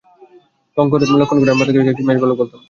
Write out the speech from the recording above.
লক্ষ্মণগড়ে আমরা তাকে মেষশাবক বলতাম।